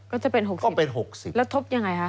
ก็จะเป็น๖๐แล้วทบยังไงฮะ